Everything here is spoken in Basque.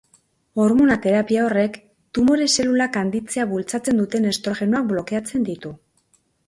Hormona-terapia horrek tumore-zelulak handitzea bultzatzen duten estrogenoak blokeatzen ditu.